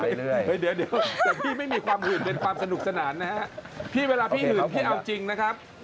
เฮ้ยเดี๋ยวแต่พี่ไม่มีความหื่นเป็นความสนุกสนานนะฮะพี่เวลาพี่หืดพี่เอาจริงนะครับ